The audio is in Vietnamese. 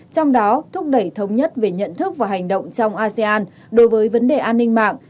trong đó thúc đẩy thống nhất về nhận thức và hành động trong asean đối với vấn đề an ninh mạng